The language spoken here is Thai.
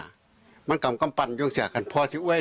อันนี้เป็นคำกล่าวอ้างของทางฝั่งของพ่อตาที่เป็นผู้ต้องหานะ